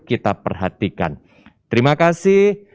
kita perhatikan terima kasih